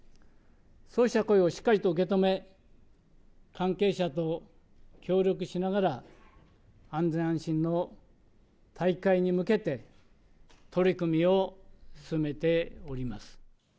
そうした声をしっかりと受け止め、関係者と協力しながら、安全安心の大会に向けて、取り組みを進めております。